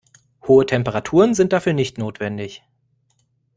Hohe Temperaturen sind dafür nicht notwendig.